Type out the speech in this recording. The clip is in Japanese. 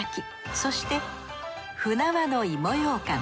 そして舟和の芋ようかん。